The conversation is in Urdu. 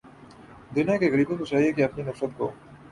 دنیا کے غریبوں کو چاہیے کہ اپنی نفرت کو